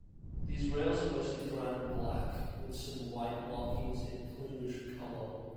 These rails are mostly brown and black with some white markings in plumage colour.